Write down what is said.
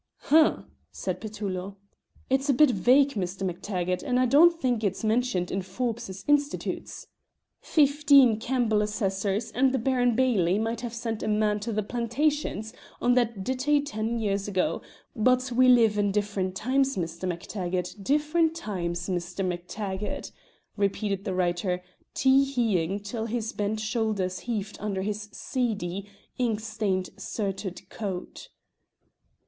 "H'm!" said Petullo. "It's a bit vague, Mr. MacTaggart, and I don't think it's mentioned in Forbes's 'Institutes.' Fifteen Campbell assessors and the baron bailie might have sent a man to the Plantations on that dittay ten years ago, but we live in different times, Mr. MacTaggart different times, Mr. MacTaggart," repeated the writer, tee heeing till his bent shoulders heaved under his seedy, ink stained surtout coat.